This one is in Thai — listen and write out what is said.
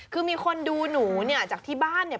คือมีคนดูหนูเนี่ยจากที่บ้านเนี่ย